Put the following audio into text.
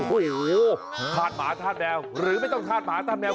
โอ้โหธาตุหมาธาตุแมวหรือไม่ต้องธาตุหมาธาตุแมว